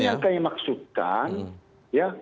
yang kami maksudkan